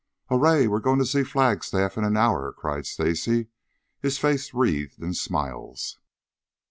"Hurrah! We're going to see the Flagstaff in an hour," cried Stacy, his face wreathed in smiles.